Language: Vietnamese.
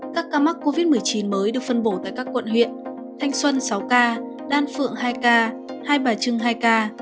các ca mắc covid một mươi chín mới được phân bổ tại các quận huyện thanh xuân sáu ca đan phượng hai ca hai bà trưng hai ca